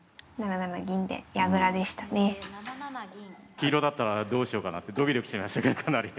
黄色だったらどうしようかなってドキドキしましたけどかなり。